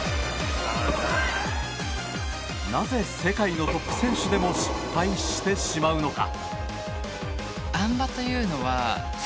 なぜ世界のトップ選手でも失敗してしまうのか。